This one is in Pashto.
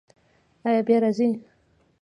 ایا بیا راځئ؟